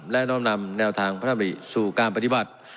และน้อมนำแนวทางพระธรรมริสู่การปฏิบัติ